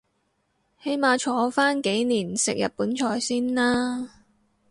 起碼坐返幾年食日本菜先啦